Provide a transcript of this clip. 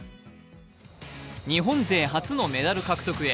日本勢初のメダル獲得へ。